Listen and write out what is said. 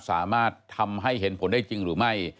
สามารถทำให้เห็นผลได้จริงหรือไม่